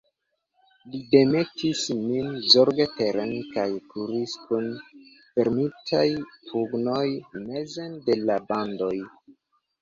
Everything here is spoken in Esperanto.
Li demetis min zorge teren kaj kuris, kun fermitaj pugnoj, mezen de la bandanoj.